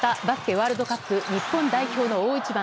ワールドカップ日本代表の大一番。